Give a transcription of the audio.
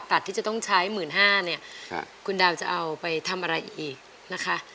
ที่จะต้องใช้๑๕๐๐เนี่ยคุณดาวจะเอาไปทำอะไรอีกนะคะ